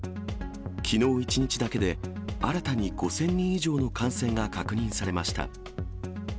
きのう１日だけで、新たに５０００人以上の感染が確認されました。